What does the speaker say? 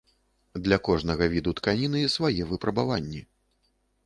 Для кожнага віду тканіны свае выпрабаванні.